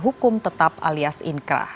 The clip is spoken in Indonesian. hukum tetap alias ini